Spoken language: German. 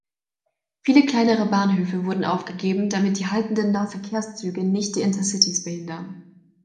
Viele kleinere Bahnhöfe wurden aufgegeben, damit die haltenden Nahverkehrszüge nicht die Intercitys behindern.